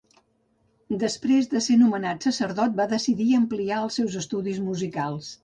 Després de ser nomenat sacerdot, va decidir ampliar els seus estudis musicals.